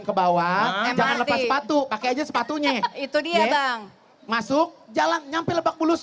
ke bawah jangan lepas sepatu pakai aja sepatunya itu dia datang masuk jalan nyampe lebak bulus